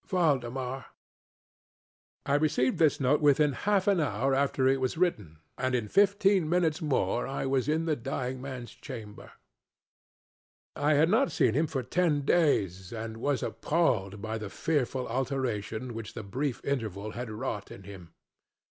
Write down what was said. VALDEMAR I received this note within half an hour after it was written, and in fifteen minutes more I was in the dying manŌĆÖs chamber. I had not seen him for ten days, and was appalled by the fearful alteration which the brief interval had wrought in him.